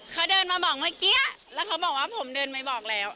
เขาเดินมาบอกเมื่อกี้แล้วเขาบอกว่าผมเดินไปบอกแล้ว